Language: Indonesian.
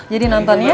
jadi nonton ya